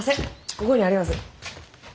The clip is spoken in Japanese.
ここにあります。